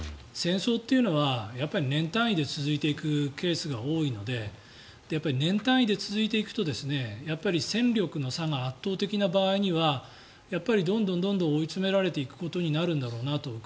戦争というのはやっぱり年単位で続いていくケースが多いので年単位で続いていくと戦力の差が圧倒的な場合にはやっぱりどんどん追い詰められていくことになるんだなと。